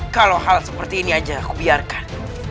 kalau hal seperti ini aja aku biarkan